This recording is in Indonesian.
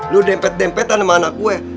lo dempet dempetan sama anak kue